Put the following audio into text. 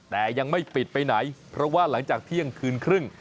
แต่ยังไม่ปิดไปไหนเพราะว่าหลังจากเที่ยงคืนครึ่ง